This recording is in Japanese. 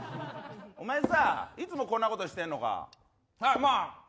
お前さいつもこんなことしてるのか？